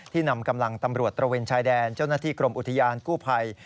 นำกำลังตำรวจตระเวนชายแดนเจ้าหน้าที่กรมอุทยานกู้ภัย